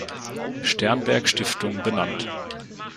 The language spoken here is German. Sternberg Stiftung benannt.